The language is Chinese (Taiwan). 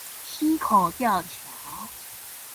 溪口吊橋